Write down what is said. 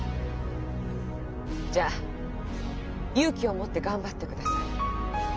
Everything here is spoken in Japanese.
じゃあ勇気を持って頑張ってください。